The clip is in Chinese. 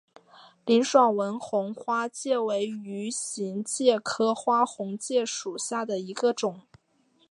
林爽文红花介为鱼形介科红花介属下的一个种。